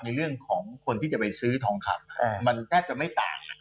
เรื่องของคนที่จะไปซื้อทองคำมันน่าจะไม่ต่าง